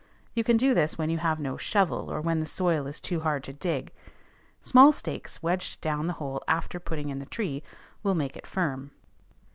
You can do this when you have no shovel, or when the soil is too hard to dig. Small stakes wedged down the hole after putting in the tree will make it firm.